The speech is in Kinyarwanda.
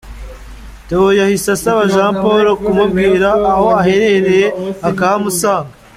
Theo yahise asaba Jean Paul kumubwira aho aherereye akahamusanga.